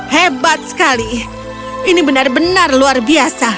hebat sekali ini benar benar luar biasa